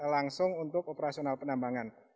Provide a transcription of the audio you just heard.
langsung untuk operasional penambangan